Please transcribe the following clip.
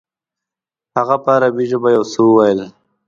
هغه په عربي ژبه یو څه وویل.